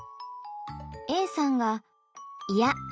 Ａさんが「いやっ！